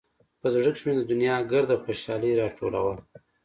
په زړه کښې مې د دونيا ګرده خوشالي راټوله وه.